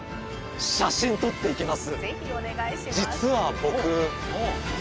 写真撮っていきます